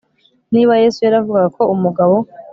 niba yesu yaravugaga ko umugabo